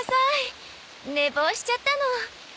寝坊しちゃったの。